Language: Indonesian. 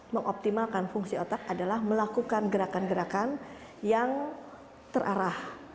mengoptimalkan fungsi otak adalah melakukan gerakan gerakan yang terarah